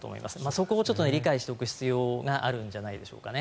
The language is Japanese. そこを理解しておく必要があるんじゃないでしょうかね。